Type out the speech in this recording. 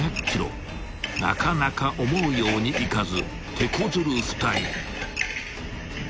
［なかなか思うようにいかずてこずる２人］